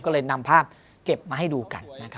ก็เลยนำภาพเก็บมาให้ดูกัน